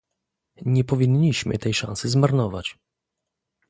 Nie powinniśmy tej szansy zmarnować